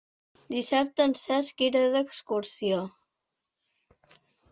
Dissabte en Cesc irà d'excursió.